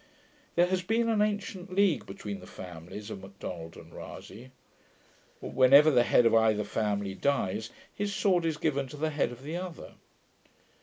There has been an ancient league between the families of Macdonald and Rasay. Whenever the head of either family dies, his sword is given to the head of the other.